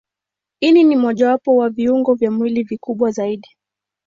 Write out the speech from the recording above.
Ini ni mojawapo wa viungo vya mwili vikubwa zaidi.